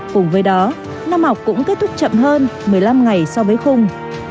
cùng với đó năm học cũng kết thúc chậm hơn một mươi năm ngày so với khung